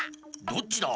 どっちだ？